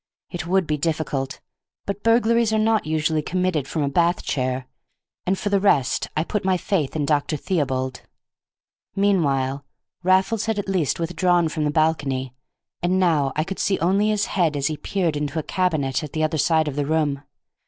It would be difficult, but burglaries are not usually committed from a bath chair, and for the rest I put my faith in Dr. Theobald. Meanwhile Raffles had at least withdrawn from the balcony, and now I could only see his head as he peered into a cabinet at the other side of the room.